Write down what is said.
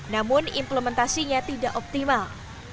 namun implementasinya tidak optimal